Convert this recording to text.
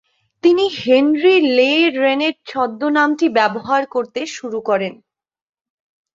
তিনি Henry Le Rennet ছদ্মনামটি ব্যবহার করতে শুরু করেন।